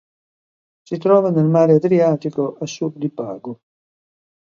Si trova nel mare Adriatico a sud di Pago.